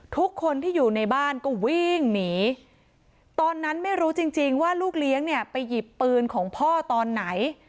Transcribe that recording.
ทุกคนที่อยู่ในบ้านก็วิ่งหนีตอนนั้นไม่รู้จริงจริงว่าลูกเลี้ยงเนี่ยไปหยิบปืนของพ่อตอนไหน